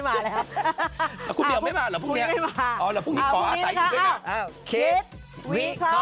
วันนี้หมดเวลาแล้ว